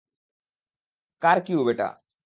কার cube এটা?